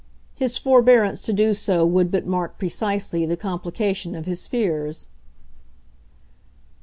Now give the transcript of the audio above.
His forbearance to do so would but mark, precisely, the complication of his fears.